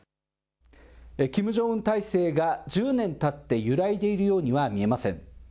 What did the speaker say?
キム・ジョンウン体制が１０年たって揺らいでいるようには見えません。